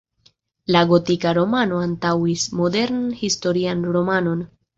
La gotika romano antaŭis modernan historian romanon.